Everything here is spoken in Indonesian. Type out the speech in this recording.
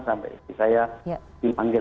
sampai istri saya dimanggil